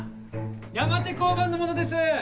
山手交番の者です。